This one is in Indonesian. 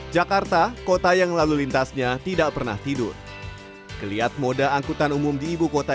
jakarta kota yang lalu lintasnya tidak pernah tidur kelihatan moda angkutan umum di ibu kota